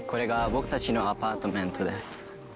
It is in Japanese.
これが僕たちのアパートメントです。